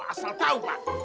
asal tahu pak